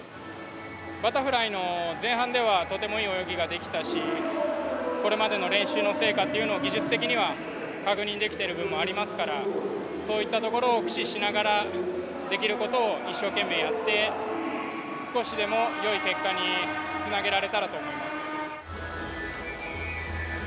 バタフライの前半ではとてもいい泳ぎができたしこれまでの練習の成果っていうのを技術的には確認できている分もありますからそういったところを駆使しながらできることを一生懸命やって少しでもよい結果につなげられたらと思います。